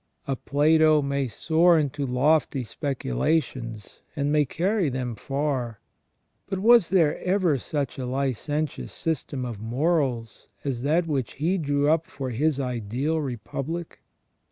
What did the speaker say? A Plato may soar into lofty specu lations, and may carry them far ; but was there ever such a licen tious system of morals as that which he drew up for his ideal republic?